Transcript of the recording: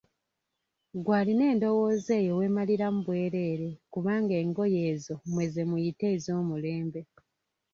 Ggwe alina endowooza eyo weemaliramu bwereere kubanga engoye ezo mmwe ze muyita ez'omulembe.